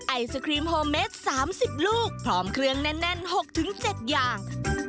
ไอศครีมโฮเมส๓๐ลูกพร้อมเครื่องแน่น๖๗อย่าง